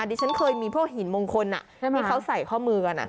ดิฉันเคยมีพวกหินมงคลที่เขาใส่ข้อมือกัน